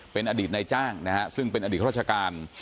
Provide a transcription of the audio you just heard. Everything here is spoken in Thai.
เป็นอดีตนายจ้างนะฮะซึ่งเป็นอดีตราชการ